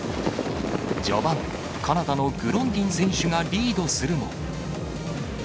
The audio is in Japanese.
序盤、カナダのグロンディン選手がリードするも。